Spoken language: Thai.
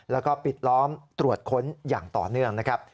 แล้วก็ปิดล้อมตรวจค้นอย่างต่อเนื่องนะครับ